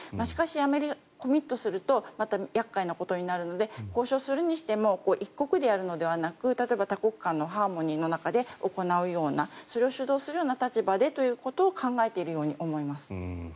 しかし、コミットするとまた厄介なことになるので交渉するにしても一国であるのではなく例えば、多国間のハーモニーの中で行うようなそれを主導する立場でということを考えているように思います。